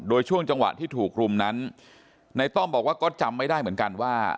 โดยช่วงจังหวะที่ถูกรุมนั้นในต้อมบอกว่าก็จำไม่ได้เหมือนกันว่า